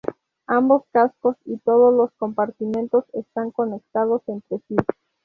Ambos cascos y todos los compartimentos están conectados entre sí.